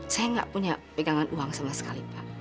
saya nggak punya pegangan uang sama sekali pak